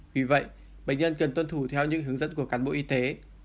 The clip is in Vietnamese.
vì vậy bệnh nhân cần tuân thủ theo những hướng dẫn của cán bộ y tế